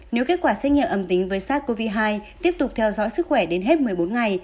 nếu kết quả xét nghiệm âm tính với sars cov hai tiếp tục theo dõi sức khỏe đến hết một mươi bốn ngày